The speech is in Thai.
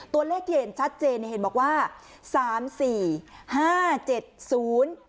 ตัวเลขที่เห็นชัดเจนเนี่ยเห็นบอกว่าสามสี่ห้าเจ็ดศูนย์